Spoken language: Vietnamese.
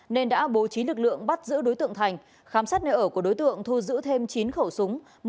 nên đã bố trí lực lượng bắt giữ đối tượng thành khám xét nơi ở của đối tượng thu giữ thêm chín khẩu súng